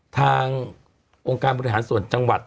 ทางองค์การบริหารส่วนจังหวัด